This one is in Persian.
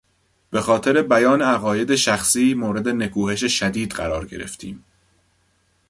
بهخاطر بیان عقاید شخصی مورد نکوهش شدید قرار گرفتیم.